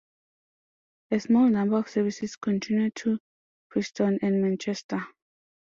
A small number of services continue to Preston and Manchester.